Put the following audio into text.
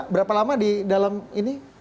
berapa lama di dalam ini